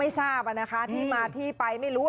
นี่ก็ไม่ทราบนะคะที่มาที่ไปไม่รู้